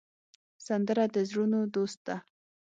سندره د زړونو دوست ده